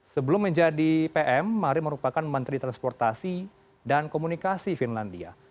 sebelum menjadi pm marin merupakan menteri transportasi dan komunikasi finlandia